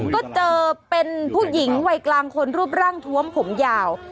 ก็เจอเป็นผู้หญิงวัยกลางคนรูปร่างทวมผมยาว